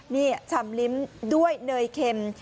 นี่ชำลิ้มด้วยเนยเข็ม